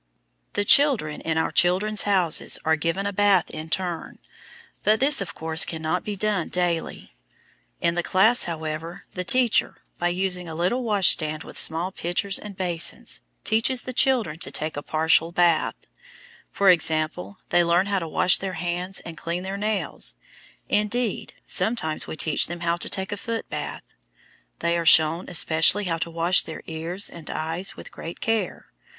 The children in our "Children's Houses" are given a bath in turn, but this, of course, can not be done daily. In the class, however, the teacher, by using a little washstand with small pitchers and basins, teaches the children to take a partial bath: for example, they learn how to wash their hands and clean their nails. Indeed, sometimes we teach them how to take a foot bath. They are shown especially how to wash their ears and eyes with great care.